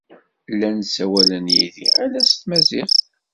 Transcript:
Llan ssawalen yid-i ala s tmaziɣt.